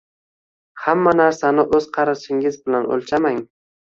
Hamma narsani o‘z qarichingiz bilan o‘lchamang.